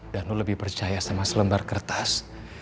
dan lo lebih percaya sama selembar kertas